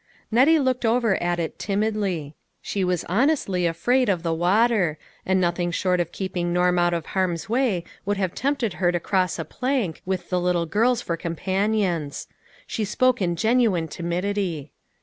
Nettie looked over at it timidly. She was honestly afraid of the water, and nothing short of keeping Norm out of harm's way would have tempted her to cross a plank, with the little girls for companions. She spoke in genuine timidity.